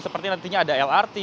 seperti nantinya ada lrt